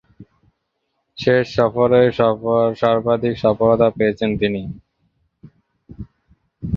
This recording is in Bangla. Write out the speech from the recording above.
শেষ সফরেই সর্বাধিক সফলতা পেয়েছেন তিনি।